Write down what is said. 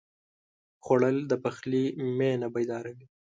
خوړل د پخلي مېنه بیداروي